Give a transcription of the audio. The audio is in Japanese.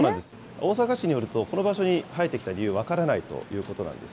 大阪市によるとこの場所に生えてきた理由は、分からないということなんです。